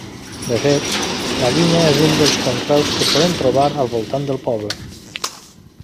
De fet, la vinya és un dels conreus que podem trobar al voltant de poble.